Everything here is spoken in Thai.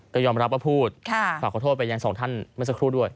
ก็ยอมรับว่าพูดฝากขอโทษไปยังสองท่านเมื่อสักครู่ด้วย